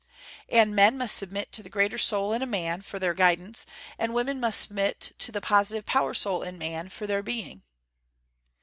And men must submit to the greater soul in a man, for their guidance: and women must submit to the positive power soul in man, for their being."